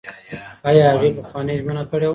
ایا هغې پخوانۍ ژمنه کړې وه؟